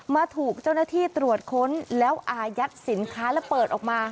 มาถูกเจ้าหน้าที่ตรวจค้นแล้วอายัดสินค้าและเปิดออกมา